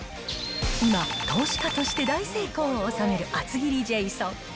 今、投資家として大成功を収める厚切りジェイソン。